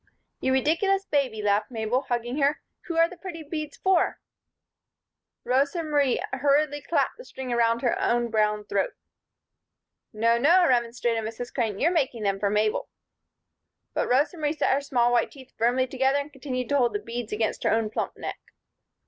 "You ridiculous baby!" laughed Mabel, hugging her. "Who are the pretty beads for?" Rosa Marie hurriedly clapped the string about her own brown throat. "No, no," remonstrated Mrs. Crane. "You're making them for Mabel." But Rosa Marie set her small white teeth firmly together and continued to hold the beads against her own plump neck.